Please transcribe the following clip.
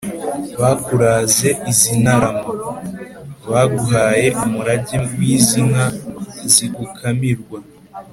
bakuraze izi ntarama: baguhaye umurage w’izi nka zigukamirwa